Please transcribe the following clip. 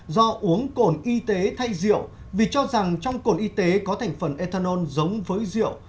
do uống cồn y tế thay rượu vì cho rằng trong cồn y tế có thành phần ethanol giống với rượu